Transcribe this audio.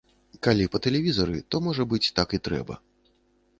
Калі па тэлевізары, то можа быць так і трэба.